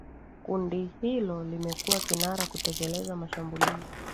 kundi hilo limekuwa kinara kutekeleza mashambulizi